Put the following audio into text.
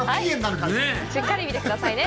しっかり見てくださいね。